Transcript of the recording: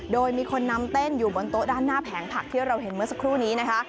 โดยมีคนนำเต้นอยู่บนโต๊ะด้านหน้าแผงผักที่เราเห็นเมื่อสักครู่นี้นะคะ